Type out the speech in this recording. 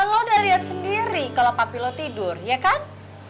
lo udah lihat sendiri kalau papi lo tidur ya kan